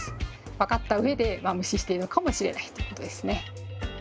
分かったうえで無視しているのかもしれないということですね。